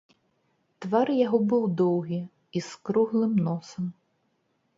Твар яго быў доўгі і з круглым носам.